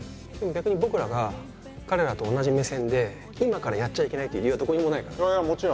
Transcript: でも逆に僕らが彼らと同じ目線で今からやっちゃいけないっていう理由はどこにもないからね。